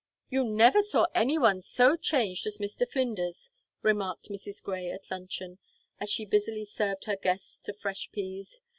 "You never saw anyone so changed as Mr. Flinders," remarked Mrs. Grey at luncheon, as she busily served her guests to fresh peas.